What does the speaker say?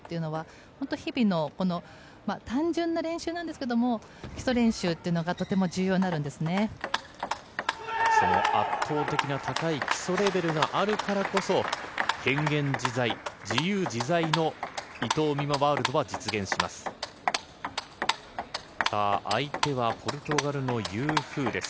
本当に日々の単純な練習ですが、基礎練習圧倒的な高い基礎レベルがあるからこそ、変幻自在、自由自在の伊藤美誠ワールドは実現します。